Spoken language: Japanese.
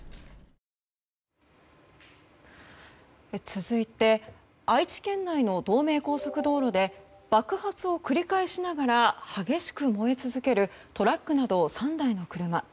続いて愛知県内の東名高速道路で爆発を繰り返しながら激しく燃え続けるトラックなど３台の車。